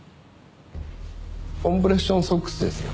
コンプレッションソックスですよ。